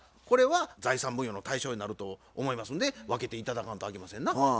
これは財産分与の対象になると思いますんで分けて頂かんとあきませんな。